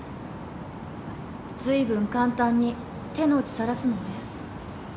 ずいぶん簡単に手の内さらすのね？